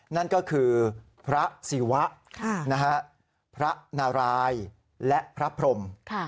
นั่นก็คือพระศิวะพระนารายและพระพรม